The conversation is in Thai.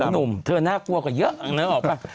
หนูหนูเธอน่ากลัวกว่าเยอะนึกออกมั้ย